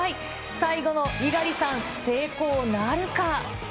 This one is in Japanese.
最後の猪狩さん、成功なるか。